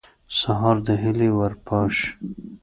سهار د هیلې ور پاشي.